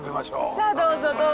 さあどうぞどうぞ！